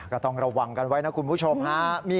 ก็ต้องระวังกันไว้นะคุณผู้ชมฮะ